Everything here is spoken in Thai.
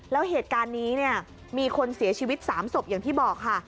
แล้วเหตุการณ์นี้เนี่ยมีคนเสียชีวิต๓ศพอย่างที่บอกค่ะ